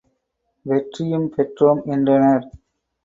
வெற்றியும் பெற்றோம் என்றனர்.